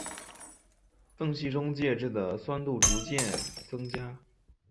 缝隙中介质的酸度逐渐增加。